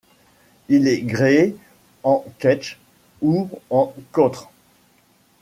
Il est gréé en ketch ou en côtre.